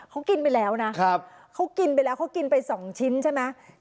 เขากินไปแล้วนะเขากินไปแล้วเขากินไป๒ชิ้นใช่ไหม